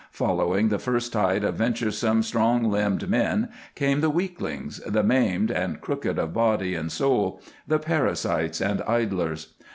Following the first tide of venturesome, strong limbed men came the weaklings, the maimed and crooked of body and soul, the parasites and idlers.